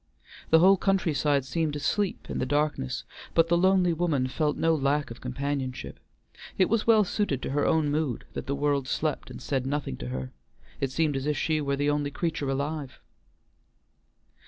The whole country side seemed asleep in the darkness, but the lonely woman felt no lack of companionship; it was well suited to her own mood that the world slept and said nothing to her, it seemed as if she were the only creature alive.